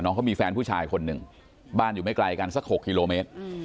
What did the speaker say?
เขามีแฟนผู้ชายคนหนึ่งบ้านอยู่ไม่ไกลกันสัก๖กิโลเมตร